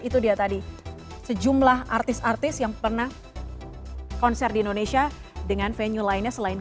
itu dia tadi sejumlah artis artis yang pernah konser di indonesia dengan venue lainnya